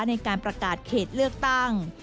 ในการประกาศเขตเลือกตั้ง